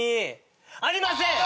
ありません！